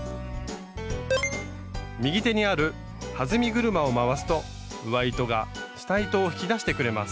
右手にあるはずみ車を回すと上糸が下糸を引き出してくれます。